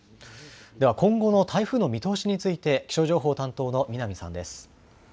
では今後の台風の見通しについて、気象情報担当の南さんです。